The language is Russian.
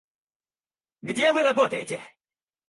Где вы работаете?